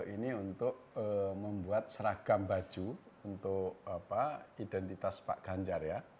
ini untuk membuat seragam baju untuk identitas pak ganjar ya